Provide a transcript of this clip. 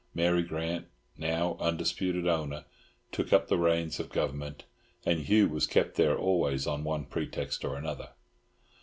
Mary Grant, now undisputed owner, took up the reins of government, and Hugh was kept there always on one pretext or another.